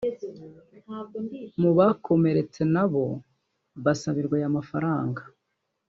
Mu bakomeretse nabo basabwirwa aya mafaranga